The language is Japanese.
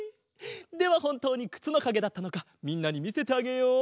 ではほんとうにくつのかげだったのかみんなにみせてあげよう！